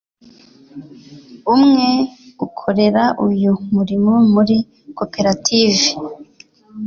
Umwe ukorera uyu murimo muri Koperative